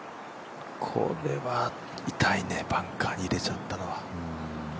これは痛いね、バンカーに入れちゃったのは。